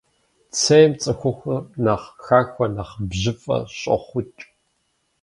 Цейм цӏыхухъур нэхъ хахуэ, нэхъ бжьыфӏэ щӏохъукӏ.